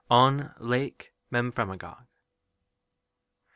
ON LAKE MEMPHREMAGOG.